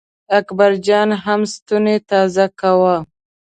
اکبر جان هم ستونی تازه کاوه.